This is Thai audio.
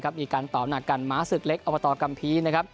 มีการต่อเอำหน้ากันหมาศึกเล็กอภทรกรรมพีท